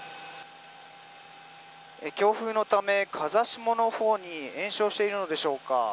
強風のため、風下のほうに延焼しているのでしょうか。